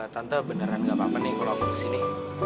tante beneran gak apa apa nih kalau aku kesini